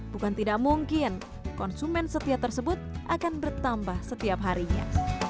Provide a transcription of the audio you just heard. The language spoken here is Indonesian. bukan tidak mungkin konsumen setia tersebut akan bertambah setiap harinya